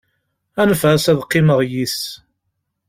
Anef-as, ad qqimeɣ yis-s.